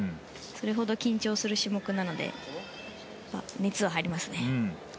それほど緊張する種目なので熱が入りますね。